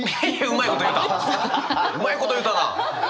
うまいこと言うたな！